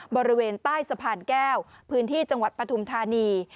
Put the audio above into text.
บริเวณใต้สะพานแก้วพื้นที่จังหวัดปฐุมธานี